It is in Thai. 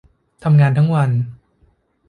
ทำงานทั้งวัน